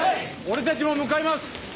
俺たちも向かいます！